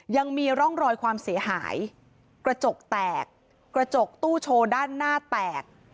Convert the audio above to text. ยังมีร่องรอยความเสียหายกระจกแตกกระจกตู้โชว์ด้านหน้าแตก